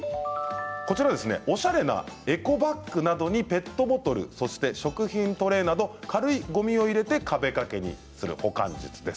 おしゃれなエコバッグなどにペットボトル、そして食品トレーなど、軽いごみを入れて壁掛けにする保管術です。